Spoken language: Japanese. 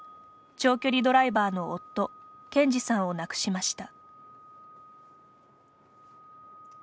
長距離ドライバーの夫健司さんを亡くしました。